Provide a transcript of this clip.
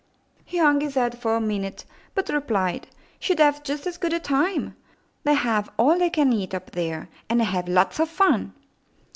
'' He hung his head for a minute, but replied, "She'd have just as good a time. They have all they can eat up there, and they have lots of fun."